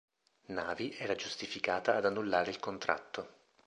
Navy era giustificata ad annullare il contratto.